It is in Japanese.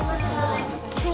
はい。